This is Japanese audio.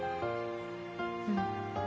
うん。